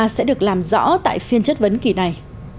sẽ được làm rõ tại phiên chất vấn kỳ này